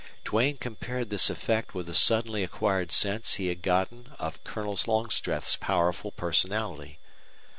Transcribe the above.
Duane compared this effect with the suddenly acquired sense he had gotten of Colonel Longstreth's powerful personality.